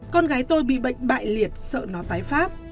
con gái tôi bị bệnh bại liệt sợ nó tái phát